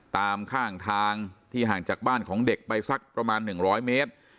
ตามข้างทางที่ห่างจากบ้านของเด็กไปสักประมาณ๑๐๐เมตร